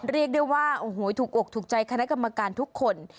เรียกด้วยว่าถูกตกใจคณะกรรมการทุกคน